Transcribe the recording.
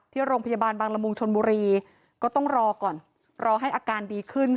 ที่โรงพยาบาลบางละมุงชนบุรีก็ต้องรอก่อนรอให้อาการดีขึ้น